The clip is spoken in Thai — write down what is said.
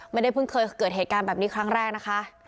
ไม่ได้เพิ่งเคยเกิดเหตุการณ์แบบนี้ครั้งแรกนะคะ